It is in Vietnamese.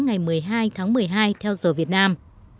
ngày một mươi hai tháng một mươi hai theo giờ việt nam